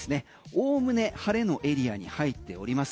おおむね晴れのエリアに入っております。